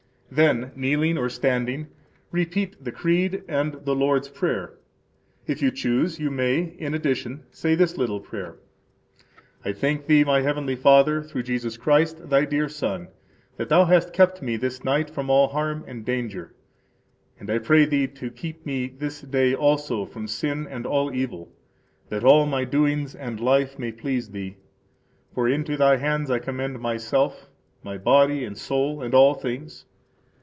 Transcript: Then, kneeling or standing, repeat the Creed and the Lord's Prayer. If you choose, you may, in addition, say this little prayer: I thank Thee, my Heavenly Father, through Jesus Christ, Thy dear Son, that Thou hast kept me this night from all harm and danger; and I pray Thee to keep me this day also from sin and all evil, that all my doings and life may please Thee. For into Thy hands I commend myself, my body and soul, and all things.